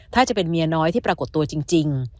ถ้าจะเป็นเมียน้อยที่ปรากฏตัวจริง